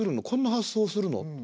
こんな発想するの？